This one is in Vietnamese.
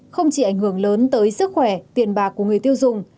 không chỉ ảnh hưởng lớn tới sức khỏe tiền bạc của người tiêu dùng